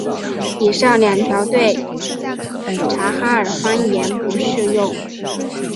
以上两条对察哈尔方言不适用。